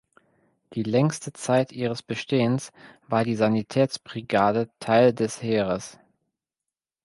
Die längste Zeit ihres Bestehens war die Sanitätsbrigade Teil des Heeres.